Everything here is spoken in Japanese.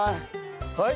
はい。